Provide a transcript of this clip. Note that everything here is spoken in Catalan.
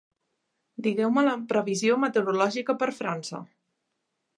Digueu-me la previsió meteorològica per a França